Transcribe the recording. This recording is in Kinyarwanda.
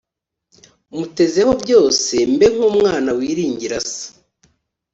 Mutezeho byose, Mbe nk’ umwana wiringira se.